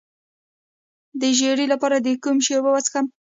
د ژیړي لپاره د کوم شي اوبه وڅښم؟